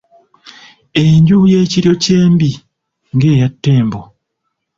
Enju ye Kiryokyembi ng'eya Ttembo.